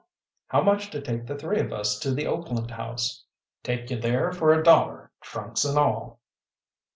"How much to take the three of us to the Oakland House?" "Take you there for a dollar, trunks and all."